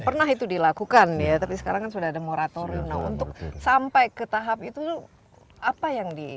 pernah itu dilakukan ya tapi sekarang sudah ada moratorium untuk sampai ke tahap itu apa yang di